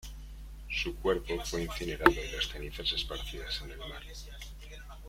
Su cuerpo fue incinerado, y las cenizas esparcidas en el mar.